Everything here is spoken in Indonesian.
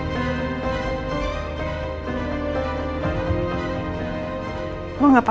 tentu juga bisa